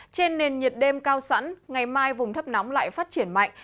trên nền nhiệt đêm cao sẵn ngày mai vùng thấp nóng lại phát triển mạnh